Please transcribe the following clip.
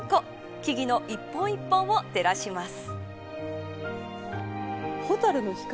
木々の一本一本を照らします。